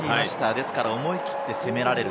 ですから思い切って攻められる。